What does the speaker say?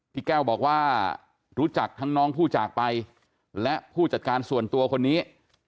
พี่แก้วบอกว่ารู้จักทั้งน้องผู้จากไปและผู้จัดการส่วนตัวคนนี้